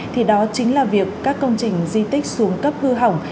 thì đó chính là việc các công trình di tích xuống cấp hư hỏng